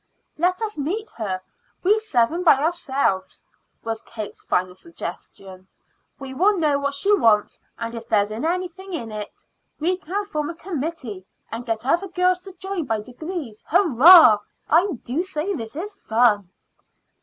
"Let us meet her, we seven by ourselves," was Kate's final suggestion. "We will then know what she wants, and if there is anything in it. We can form a committee, and get other girls to join by degrees. Hurrah! I do say this is fun."